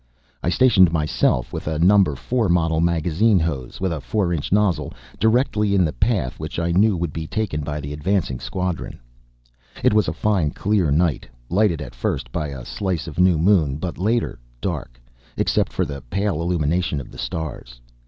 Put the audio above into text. I stationed myself with a No. 4 model magazine hose, with a four inch nozzle, directly in the path which I knew would be taken by the advancing squadron. It was a fine, clear night, lighted, at first, by a slice of new moon; but later, dark, except for the pale illumination of the stars.